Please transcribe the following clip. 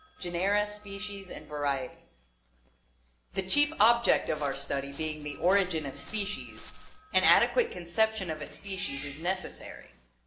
Genera, Species, and Varieties. — The chief object of our study being the origin of species, an adequate conception of a species is necessary.